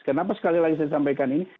kenapa sekali lagi saya sampaikan ini